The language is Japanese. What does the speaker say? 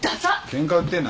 ケンカ売ってんの？